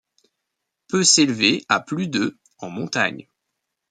Peut s'élever à plus de en montagne.